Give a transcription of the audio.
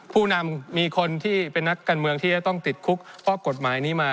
ผู้นำมีคนที่เป็นนักการเมืองที่จะต้องติดคุกเพราะกฎหมายนี้มา